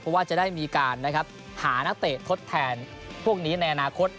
เพราะว่าจะได้มีการหานักเตะทดแทนพวกนี้ในอนาคต